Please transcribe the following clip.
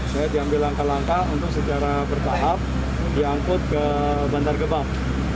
saya diambil langkah langkah untuk secara bertahap diangkut ke bantar gebang